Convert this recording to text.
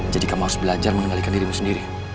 jadi kamu harus belajar mengembalikan dirimu sendiri